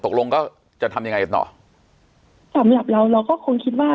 ตกลงก็จะทำยังไงกันต่อสำหรับเราเราก็คงคิดว่า